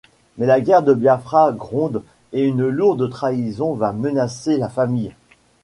Mais la Guerre du Biafra gronde et une lourde trahison va menacer la famille.